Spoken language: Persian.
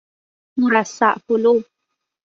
مرصع پلو